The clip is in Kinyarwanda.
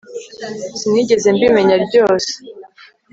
sinigeze mbimenya ryose